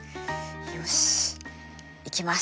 よしいきます。